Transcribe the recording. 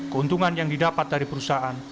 keuntungan yang didapat dari perusahaan